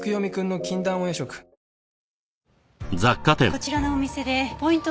こちらのお店でポイント